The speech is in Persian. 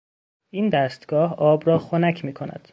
این دستگاه آب را خنک میکند.